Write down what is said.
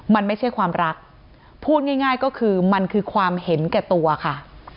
มันไม่ใช่ความรักพูดง่ายก็คือมันคือความเห็นแก่ตัวค่ะ